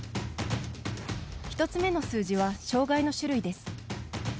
１つ目の数字は障がいの種類です。